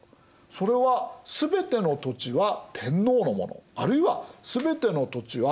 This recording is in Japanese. それは全ての土地は天皇のものあるいは全ての土地は国家のもの。